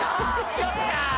よっしゃー！